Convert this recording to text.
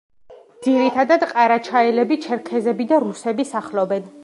ძირითადად ყარაჩაელები, ჩერქეზები და რუსები სახლობენ.